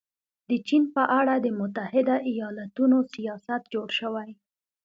د چین په اړه د متحده ایالتونو سیاست جوړ شوی.